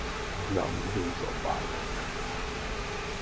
Znam dużo bajek.